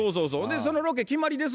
そのロケ決まりです